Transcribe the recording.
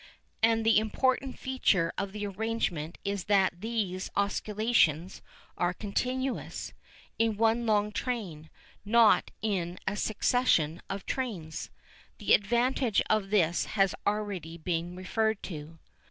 And the important feature of the arrangement is that these oscillations are continuous, in one long train, not in a succession of trains. The advantage of this has already been referred to.